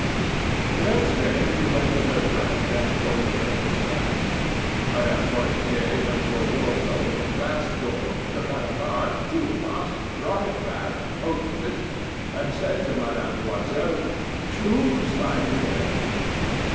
The next day she went to her friend and told of her distress. Mme. Forestier went to a wardrobe with a glass door, took out a large jewel box, brought it back, opened it, and said to Mme. Loisel: "Choose, my dear."